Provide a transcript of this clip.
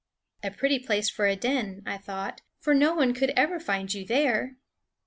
" A pretty place for a den," I thought; "for no one could ever find you there."